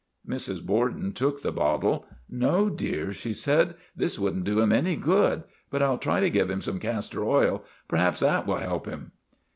Mrs. Borden took the bottle. 1 No, dear," she said, " this would n't do him any good. But I '11 try to give him some castor oil. Perhaps that will help him."